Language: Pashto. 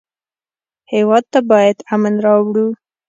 هېواد ته باید امن راوړو